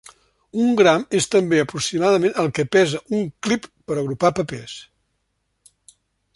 Un gram és també aproximadament el que pesa un clip per agrupar papers.